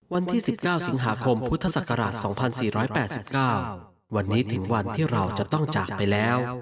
วันที่๑๙สิงหาคมพุทธศักราช๒๔๘๙วันนี้ถึงวันที่เราจะต้องจากไปแล้ว